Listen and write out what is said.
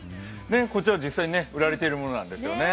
こちら、実際に売られているものなんですよね。